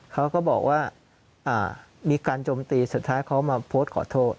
เขาก็บอกว่ามีการจมตีสุดท้ายเขามาโพสต์ขอโทษ